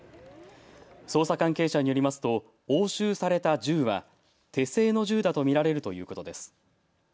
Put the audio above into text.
捜査関係者によりますと押収された銃は手製の銃だと見られるということです。